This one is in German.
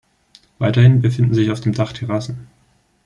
Weiterhin befinden sich auf dem Dach Terrassen.